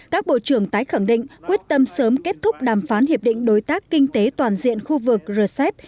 các bộ trưởng tái khẳng định quyết tâm sớm kết thúc đàm phán hiệp định đối tác kinh tế toàn diện khu vực rcep